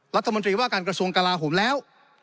รัฐมนตรีว่าการกระทรวงกลาโหมแล้ว